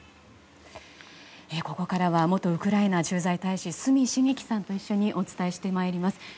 ここからは元ウクライナ駐在大使角茂樹さんと一緒にお伝えしてまいります。